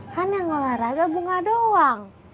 kan yang olahraga bunga doang